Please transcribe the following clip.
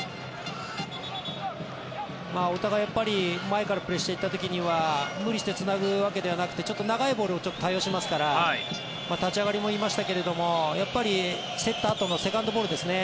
お互い、前からプレッシャー行った時には無理してつなぐわけではなくて長いボールを多用しますから立ち上がりも言いましたけど競ったあとのセカンドボールですね